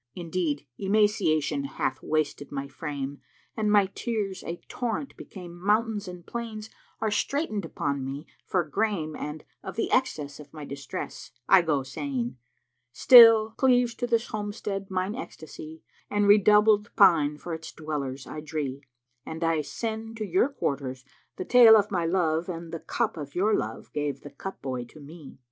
* Indeed, emaciation hath wasted my frame * and my tears a torrent became * mountains and plains are straitened upon me for grame * and of the excess of my distress, I go saying, "Still cleaves to this homestead mine ecstasy, * And redoubled pine for its dwellers I dree; And I send to your quarters the tale of my love * And the cup of your love gave the Cup boy to me.